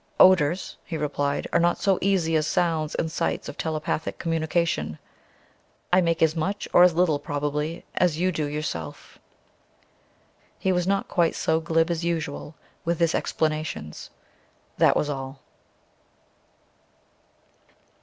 "Odours," he replied, "are not so easy as sounds and sights of telepathic communication. I make as much, or as little, probably, as you do yourself." He was not quite so glib as usual with his explanations. That was all.